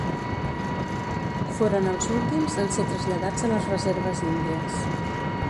Foren els últims en ser traslladats a les reserves índies.